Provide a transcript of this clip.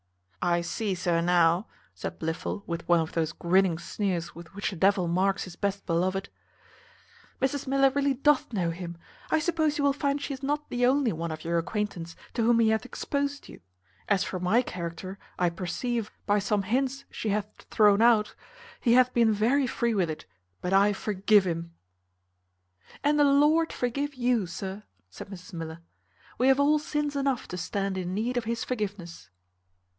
"I see, sir, now," said Blifil, with one of those grinning sneers with which the devil marks his best beloved, "Mrs Miller really doth know him. I suppose you will find she is not the only one of your acquaintance to whom he hath exposed you. As for my character, I perceive, by some hints she hath thrown out, he hath been very free with it, but I forgive him." "And the Lord forgive you, sir!" said Mrs Miller; "we have all sins enough to stand in need of his forgiveness."